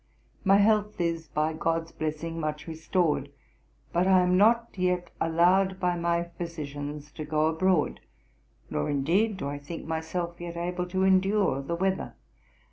'My health is, by GOD'S blessing, much restored, but I am not yet allowed by my physicians to go abroad; nor, indeed, do I think myself yet able to endure the weather.